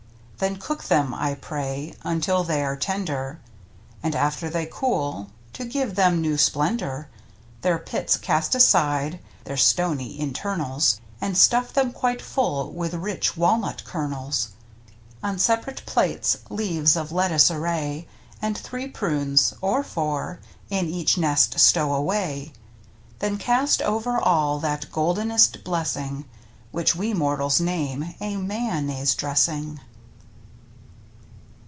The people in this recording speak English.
Then cook them, I pray, until they are tender, And after they cool, to give them new splendor. Their pits cast aside — their stony inter nals — And stuff them quite full with rich wal nut kernels. On separate plates leaves of lettuce ar ray, And three prunes — or four — in each nest stow away; Then cast over all that goldenest bless ing. Which we mortals name a mayonnaise dressing.